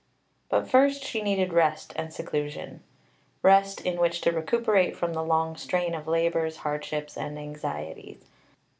But first she needed rest and seclusion. Rest, in which to recuperate from the long strain of labours, hardships, and anxieties.